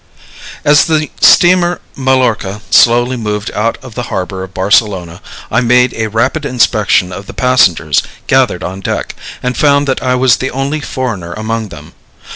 As the steamer Mallorca slowly moved out of the harbor of Barcelona, I made a rapid inspection of the passengers gathered on deck, and found that I was the only foreigner among them.